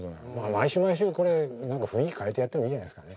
毎週毎週これ雰囲気変えてやってもいいじゃないですかね。